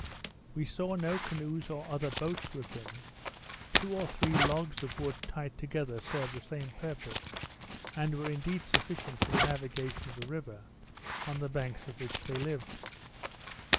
We saw no canoes or other boats with them, two or three logs of wood tied together served the same purpose, and were indeed sufficient for the navigation of the river, on the banks of which they lived.